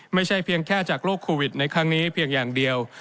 ไม่ใช่เพียงแค่จากโรคโควิดในครั้งนี้เพียงอย่างเดียว